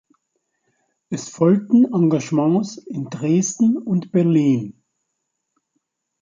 Es folgten Engagements in Dresden und Berlin.